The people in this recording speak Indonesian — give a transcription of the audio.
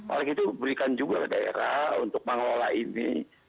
oleh itu berikan juga ke daerah untuk mengelola ini